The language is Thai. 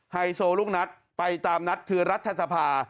ให้โซลุกนัดไปตามนัดคือรัฐทรรษภา